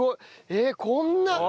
えこんな。